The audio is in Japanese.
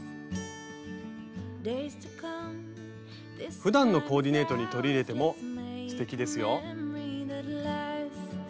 ふだんのコーディネートに取り入れてもすてきですよ。